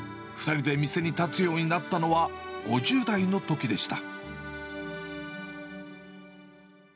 ２人で店に立つようになったのは、５０代のときでした。